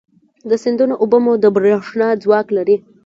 د سیندونو اوبه مو د برېښنا ځواک لري.